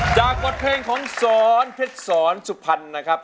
จากบทเพลงของสอนเผ็ดสอนสุภัณฑ์นะครับ